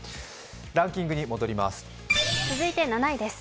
ランキングに戻ります。